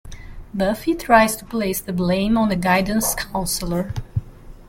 Buffy tries to place the blame on the guidance counsellor.